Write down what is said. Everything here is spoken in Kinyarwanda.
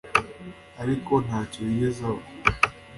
ariko ntacyo yigeze aba,